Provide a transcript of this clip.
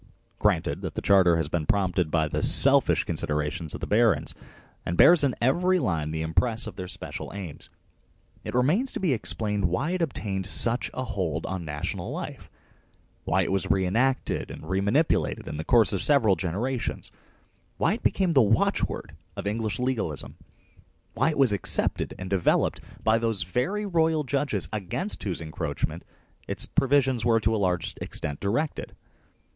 Granted that the Charter has been prompted by the selfish con siderations of the barons, and bears in every line the impress of their special aims, it remains to be explained why it obtained such a hold on national life, why it was re enacted and remanipulated in the course of several generations, why it became the watchword of English legalism, why it was accepted and developed by those very royal judges against whose encroach ments its provisions were to a large extent directed.